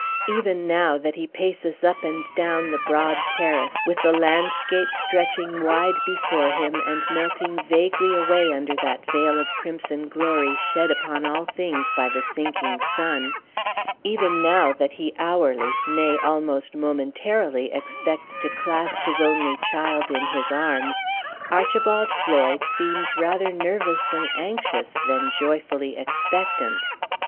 Even now, that he paces up and down the broad terrace, with the landscape stretching wide before him, and melting vaguely away under that veil of crimson glory shed upon all things by the sinking sun even now that he hourly, nay, almost momentarily, expects to clasp his only child in his arms, Archibald Floyd seems rather nervously anxious than joyfully expectant.